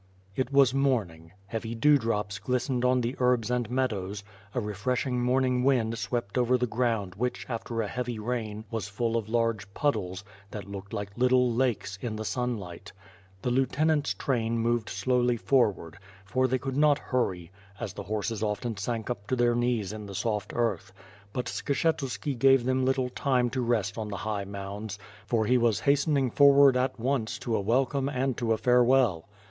It was morning; heavy dewdrops glistened on the herbs and meadows; a refreshing morning wind swept over the ground which after a heavy rain was full of large puddles, that looked like little lakes, in the sunlight. The lieutenant's train moved slowly forward; for they could not hurry, as the 95 96 '^If^ f'iR^ ^^^ SWORD. horses often sank up to their knees in the soft earth; but Skshetuski gave them little time to rest on the high mounds, for he was hastening forward at once to a welcome and to a farewell.